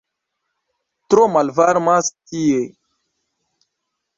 "Tro malvarmas tie!"